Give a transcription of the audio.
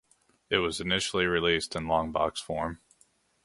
It was initially released in longbox form.